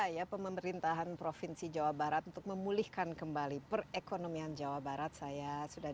ya pemerintahan provinsi jawa barat untuk memulihkan kembali perekonomian jawa barat saya sudah